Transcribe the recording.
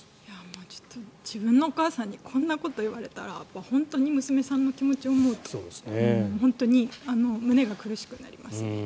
ちょっと自分のお母さんのこんなことを言われたら本当に娘さんの気持ちを思うと胸が苦しくなりますね。